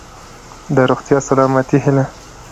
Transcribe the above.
د روغتیا ،سلامتۍ هيله .💡